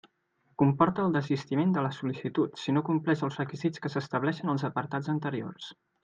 Comporta el desistiment de la sol·licitud, si no compleix els requisits que s'estableixen als apartats anteriors.